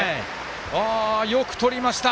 よくとりました。